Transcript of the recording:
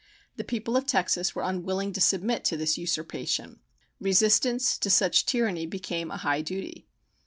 The people of Texas were unwilling to submit to this usurpation. Resistance to such tyranny became a high duty.